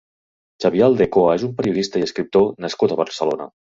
Xavier Aldekoa és un periodista i escriptor nascut a Barcelona.